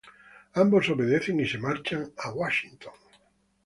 Ambos obedecen y se marchan a Washington.